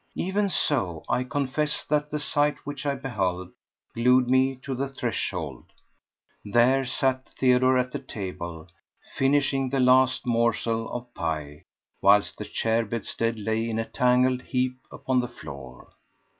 Even so, I confess that the sight which I beheld glued me to the threshold. There sat Theodore at the table, finishing the last morsel of pie, whilst the chair bedstead lay in a tangled heap upon the floor.